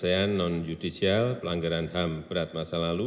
penyelesaian non judicial pelanggaran ham berat masa lalu